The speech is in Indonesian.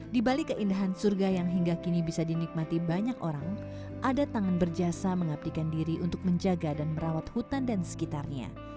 di balik keindahan surga yang hingga kini bisa dinikmati banyak orang ada tangan berjasa mengabdikan diri untuk menjaga dan merawat hutan dan sekitarnya